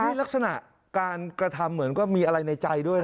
นี่ลักษณะการกระทำเหมือนก็มีอะไรในใจด้วยนะ